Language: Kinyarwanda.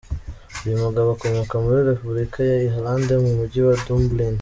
Uyu mugabo akomoka muri Repubulika ya Irlande mu Mujyi wa Dublin.